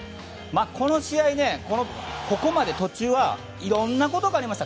この試合、ここまで途中はいろいろなことがありました。